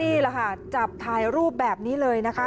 นี่แหละค่ะจับถ่ายรูปแบบนี้เลยนะคะ